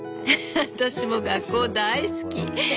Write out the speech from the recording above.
ハハ私も学校大好き！